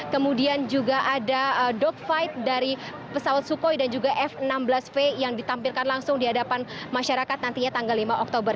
kemudian juga ada dogfight dari pesawat sukhoi dan juga f enam belas v yang ditampilkan langsung di hadapan masyarakat nantinya tanggal lima oktober